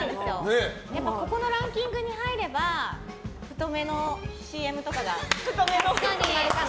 ここのランキングに入れば太めのＣＭとかが決まるかなって。